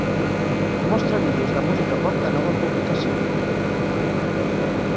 Mostra vídeos de música pop de nova publicació.